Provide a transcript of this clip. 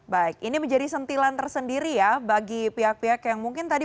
baik ini menjadi sentilan tersendiri ya bagi pihak pihak yang mungkin tadi